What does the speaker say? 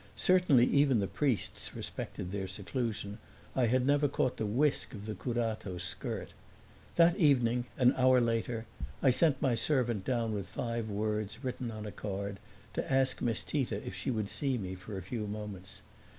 Certainly even the priests respected their seclusion; I had never caught the whisk of the curato's skirt. That evening, an hour later, I sent my servant down with five words written on a card, to ask Miss Tita if she would see me for a few moments.